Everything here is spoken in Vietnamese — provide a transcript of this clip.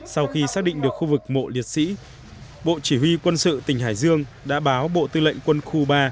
sau khi xác định được khu vực mộ liệt sĩ bộ chỉ huy quân sự tỉnh hải dương đã báo bộ tư lệnh quân khu ba